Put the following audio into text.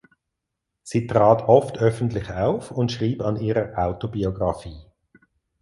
Sie trat oft öffentlich auf und schrieb an ihrer Autobiographie.